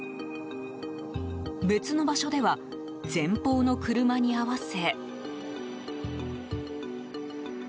別の場所では前方の車に併せ。